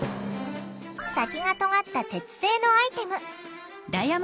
先が尖った鉄製のアイテム。